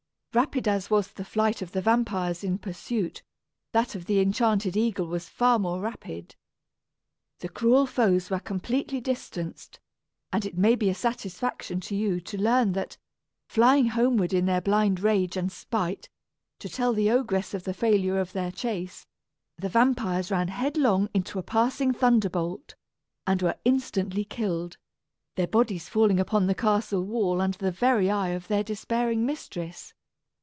Rapid as was the flight of the vampires in pursuit, that of the enchanted eagle was far more rapid. The cruel foes were completely distanced, and it may be a satisfaction to you to learn that, flying homeward, in their blind rage and spite, to tell the ogress of the failure of their chase, the vampires ran headlong into a passing thunderbolt, and were instantly killed, their bodies falling upon the castle wall under the very eye of their despairing mistress.